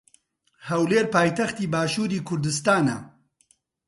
ھەولێر پایتەختی باشووری کوردستانە.